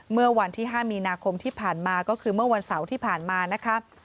เมื่อวันที่๕มีนาคมที่ผ่านมาก็คือเมื่อวันเสาร์ที่ผ่านมานะคะ